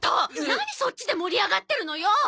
何そっちで盛り上がってるのよ！